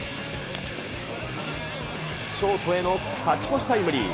ショートへの勝ち越しタイムリー。